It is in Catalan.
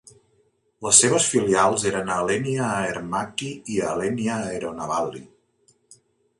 Les seves filials eren Alenia Aermacchi i Alenia Aeronavali.